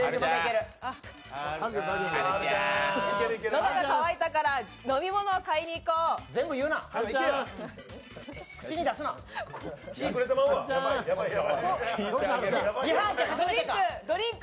喉が渇いたから飲み物を買いに行こうドリンク